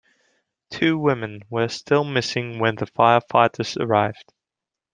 Two women were still missing when the firefighters arrived.